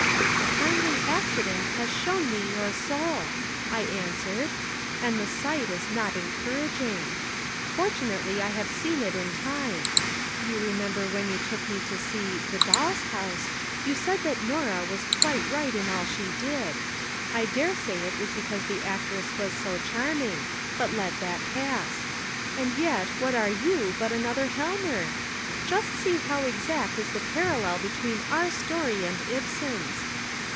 "'A kindly accident has shown me your soul,' I answered, 'and the sight is not encouraging. Fortunately I have seen it in time. You remember when you took me to see The Doll's House, you said that Norah was quite right in all she did. I daresay it was because the actress was so charming but let that pass. And yet what are you but another Helmer? Just see how exact is the parallel between our story and Ibsen's.